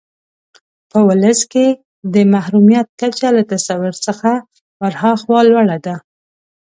په ولس کې د محرومیت کچه له تصور څخه ورهاخوا لوړه ده.